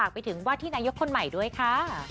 ฝากไปถึงวาทินายกคนใหม่ด้วยคะ